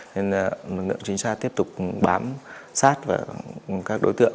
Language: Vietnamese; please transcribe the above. nên là lực lượng trinh sát tiếp tục bám sát các đối tượng